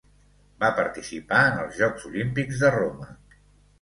Va participar en els Jocs Olímpics de Roma.